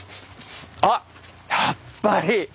あっやっぱり！